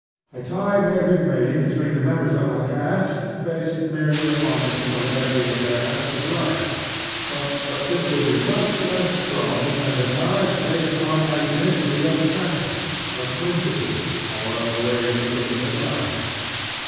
A tie may remain between the members of a caste, based merely upon the similarity of their habits of life ; but this will be much less strong than the ties based on ' identity of passion, of principle, or of ways~6f Took iilg at life.